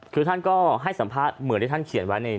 คือท่านก็ให้สัมภาษณ์เหมือนที่ท่านเขียนไว้ใน